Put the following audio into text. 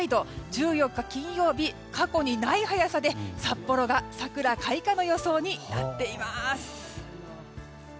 １４日金曜日過去にない早さで札幌が桜開花の予想になっています。